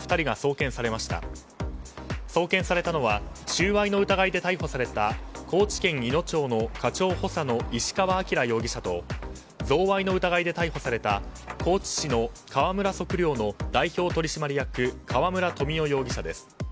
送検されたのは収賄の疑いで逮捕された高知県いの町の課長補佐の石川晃容疑者と贈賄の疑いで逮捕された高知市のカワムラ測量の代表取締役川村富男容疑者です。